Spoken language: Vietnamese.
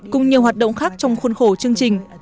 cùng nhiều hoạt động khác trong khuôn khổ chương trình